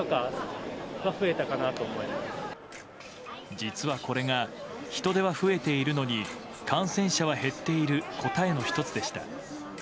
実はこれが人出は増えているのに感染者は減っている答えの１つでした。